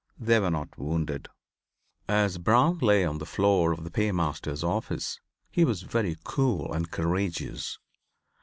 They were not wounded. As Brown lay on the floor of the paymaster's office he was very cool and courageous.